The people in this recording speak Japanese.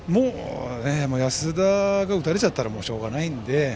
安田が打たれちゃったらしょうがないので。